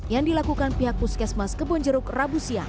yang dilakukan pihak puskesmas kebonjeruk rabusia